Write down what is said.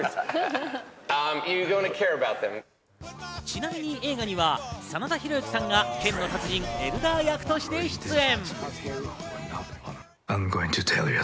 ちなみに映画には真田広之さんが剣の達人・エルダー役として出演。